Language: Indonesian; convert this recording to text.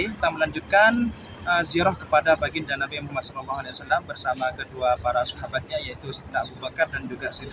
kita melanjutkan zirah kepada baginda nabi muhammad saw bersama kedua para sahabatnya yaitu abu bakar dan juga sri